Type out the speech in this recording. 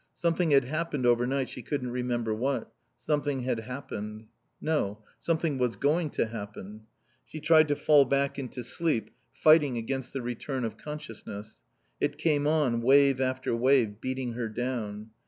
Something had happened overnight, she couldn't remember what. Something had happened. No. Something was going to happen. She tried to fall back into sleep, fighting against the return of consciousness; it came on, wave after wave, beating her down.